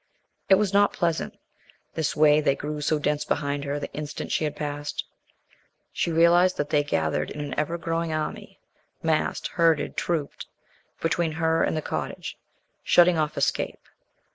It was not pleasant, this way they grew so dense behind her the instant she had passed. She realized that they gathered in an ever growing army, massed, herded, trooped, between her and the cottage, shutting off escape.